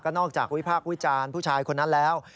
นอกจากวิพากษ์วิจารณ์ผู้ชายคนนั้นแล้ว